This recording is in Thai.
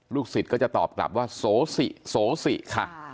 ศิษย์ก็จะตอบกลับว่าโสสิโสสิค่ะ